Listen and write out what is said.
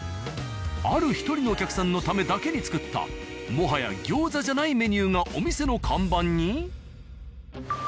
ある１人のお客さんのためだけに作ったもはや餃子じゃないメニューがお店の看板に？